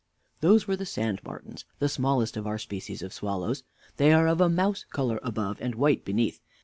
Mr. A. Those were sand martins, the smallest of our species of swallows. They are of a mouse color above, and white beneath.